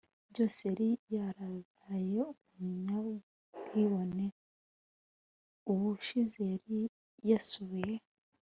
byose yari yarabaye umunyabwibone. ubushize yari yasuye